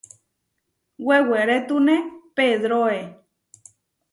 Wewerétune Pedróe.